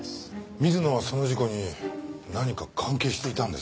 水野はその事故に何か関係していたんですかね？